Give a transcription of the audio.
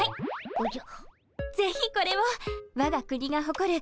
おじゃ！